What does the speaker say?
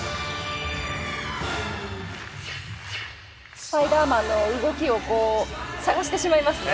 スパイダーマンの動きをこう探してしまいますね。